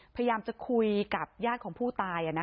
พยายามจะคุยกับญาติของผู้ตาย